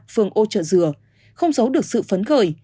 phường ô trợ dừa không giấu được sự phấn khởi